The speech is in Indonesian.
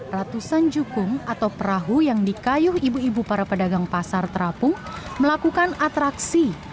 ratusan jukung atau perahu yang dikayuh ibu ibu para pedagang pasar terapung melakukan atraksi